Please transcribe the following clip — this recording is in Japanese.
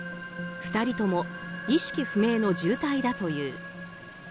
２人とも意識不明の重体だという。